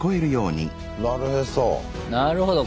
なるほど。